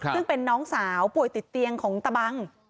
ซึ่งเป็นน้องสาวป่วยติดเตียงของตะบัง